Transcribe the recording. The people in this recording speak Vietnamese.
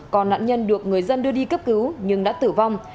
còn nạn nhân được người dân đưa đi cấp cứu nhưng đã tử vong